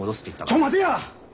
ちょ待てや！